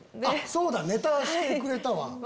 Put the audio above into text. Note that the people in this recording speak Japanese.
そうだネタしてくれたわ。